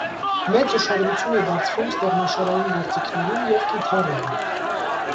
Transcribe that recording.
Մեծ ուշադրություն է դարձվում ստեղնաշարային գործիքներին և կիթառին։